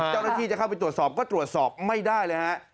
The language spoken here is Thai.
เจ้าหน้าที่จะเข้าไปตรวจสอบก็ตรวจสอบไม่ได้เลยฮะ